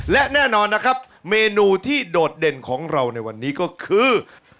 และแน่นอนนะครับเมนูที่โดดเด่นของเราในวันนี้ก็คือ